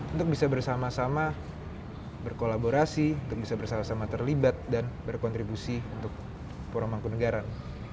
untuk bisa bersama sama berkolaborasi untuk bisa bersama sama terlibat dan berkontribusi untuk puro mangkunagaran